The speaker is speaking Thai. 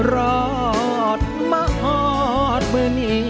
รอดมหอดมือนี้